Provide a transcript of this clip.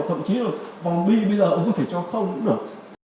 thậm chí là vòng bi bây giờ cũng có thể cho không cũng được